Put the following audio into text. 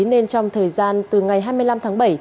nên trong thời gian từ ngày hai mươi năm tháng bảy